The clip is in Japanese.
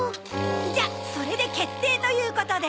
じゃあそれで決定ということで。